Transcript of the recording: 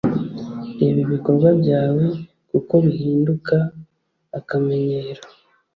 reba ibikorwa byawe, kuko bihinduka akamenyero